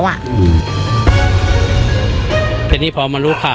วันนี้แม่ช่วยเงินมากกว่า